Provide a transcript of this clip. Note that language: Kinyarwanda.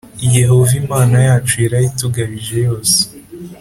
Yehova Imana yacu yarayitugabije yose.